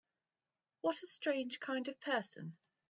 What a strange kind of person!